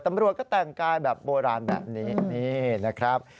ตำรวจก็แต่งกายแบบโบราณแบบนี้นี่นะครับ